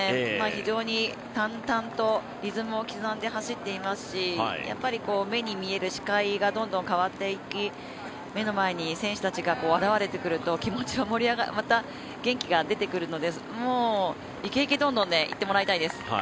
非常に淡々とリズムを刻んで走っていますしやっぱり目に見える視界がどんどん変わっていき目の前に選手たちが現れてくると気持ちもまた元気が出てくるのでいけいけ、どんどんでいってもらいたいです。